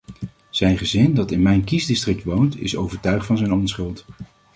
Zijn gezin, dat in mijn kiesdistrict woont, is overtuigd van zijn onschuld.